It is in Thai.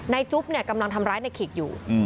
จุ๊บเนี่ยกำลังทำร้ายในขิกอยู่